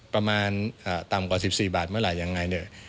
ประมาณต่ำกว่า๑๔บาทเมื่อไหร่ยังไงเนี่ย